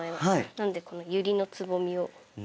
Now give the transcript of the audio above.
なのでこのユリのつぼみをメインに。